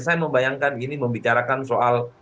saya membayangkan gini membicarakan soal